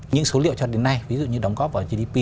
những số liệu cho đến nay ví dụ như đóng góp vào gdp